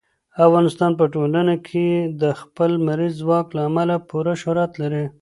افغانستان په ټوله نړۍ کې د خپل لمریز ځواک له امله پوره شهرت لري.